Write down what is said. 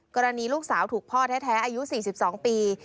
กรณีลูกสาวถูกพ่อแท้อายุ๔๒ปี